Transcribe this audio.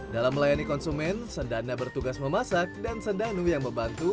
dalam melayani konsumen sendana bertugas memasak dan sendanu yang membantu